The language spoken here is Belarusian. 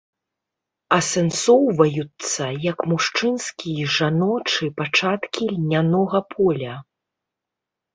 Асэнсоўваюцца як мужчынскі і жаночы пачаткі льнянога поля.